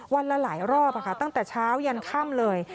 วันละหลายรอบอ่ะค่ะตั้งแต่เช้ายันข้ามเลย